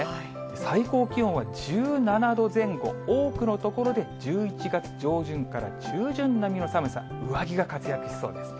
最高気温は１７度前後、多くの所で１１月上旬から中旬並みの寒さ、上着が活躍しそうです。